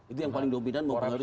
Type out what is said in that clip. itu yang paling dominan mempengaruhi